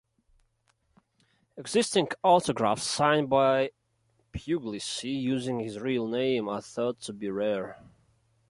Existing autographs signed by Pugliese using his real name are thought to be rare.